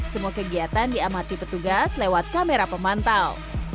semua kegiatan diamati petugas lewat kamera pemantau